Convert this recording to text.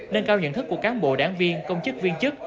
nâng cao nhận thức của cán bộ đảng viên công chức viên chức